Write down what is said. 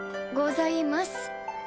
ございます。